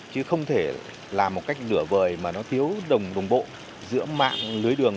chứ không thể làm một cách nửa vời mà nó thiếu đồng bộ giữa mạng lưới đường